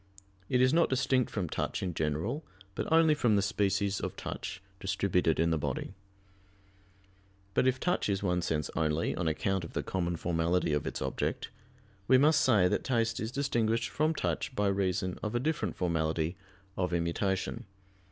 It is not distinct from touch in general, but only from the species of touch distributed in the body. But if touch is one sense only, on account of the common formality of its object: we must say that taste is distinguished from touch by reason of a different formality of immutation.